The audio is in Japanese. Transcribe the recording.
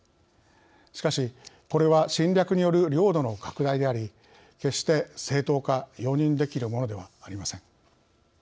しかしこれは侵略による領土の拡大であり決して正当化容認できるものではありません。